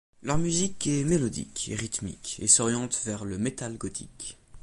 Leur musique est mélodique et rythmique et s'oriente vers le metal gothique.